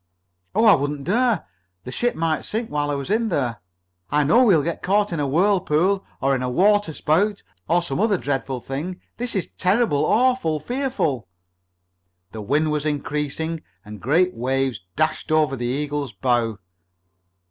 "Oh, I wouldn't dare to! The ship might sink while I was there. I know we'll get caught in a whirlpool, or in a waterspout, or some other dreadful thing! This is terrible! Awful! Fearful!" The wind was increasing, and great waves dashed over the Eagle's bow.